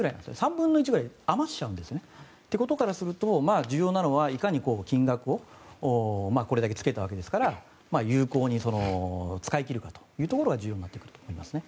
３分の１ぐらい余しちゃうんですね。ということからすると重要なのは金額をこれだけつけたわけですから有効に使い切るというところが重要になってくると思いますね。